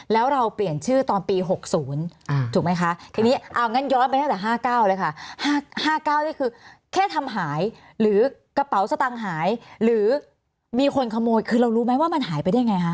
แล้วเราเปลี่ยนชื่อตอนปี๖๐ถูกไหมคะทีนี้เอางั้นย้อนไปตั้งแต่๕๙เลยค่ะ๕๙นี่คือแค่ทำหายหรือกระเป๋าสตางค์หายหรือมีคนขโมยคือเรารู้ไหมว่ามันหายไปได้ไงคะ